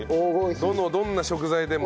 どのどんな食材でも。